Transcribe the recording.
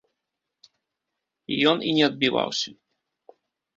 Ён і не адбіваўся.